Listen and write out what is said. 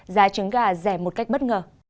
giá trứng gà rẻ một cách bất ngờ